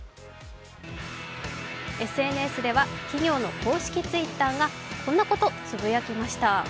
ＳＮＳでは企業の公式Ｔｗｉｔｔｅｒがこんなことつぶやきました。